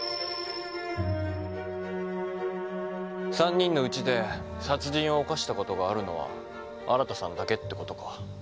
３人のうちで殺人を犯したことがあるのは新さんだけってことか。